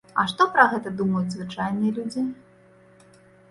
А што пра гэта думаюць звычайныя людзі?